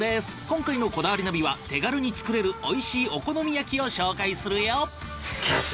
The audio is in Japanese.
今回の『こだわりナビ』は手軽に作れる美味しいお好み焼を紹介するよ！